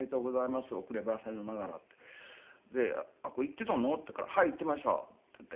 「アッコ行ってたの？」って言うから「はい。行ってました」って言って。